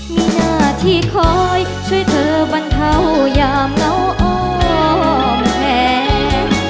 มีหน้าที่คอยช่วยเธอบรรเทายามเหงาอ้อมแผล